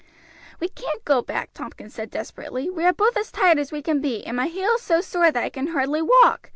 "We can't go back," Tompkins said desperately, "we are both as tired as we can be, and my heel is so sore that I can hardly walk.